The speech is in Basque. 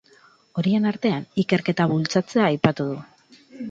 Horien artean ikerketa bultzatzea aipatu du.